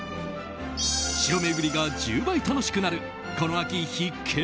城巡りが１０倍楽しくなるこの秋必見！